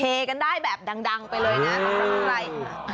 เฮกันได้แบบดังไปเลยนะข้างใน